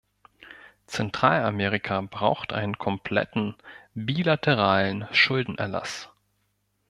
Zentralamerika braucht einen kompletten bilateralen Schuldenerlass.